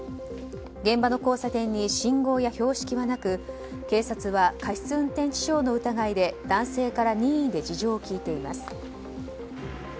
現場の交差点に信号や標識はなく警察は、過失運転致傷の疑いで男性から任意で事情を聴いています。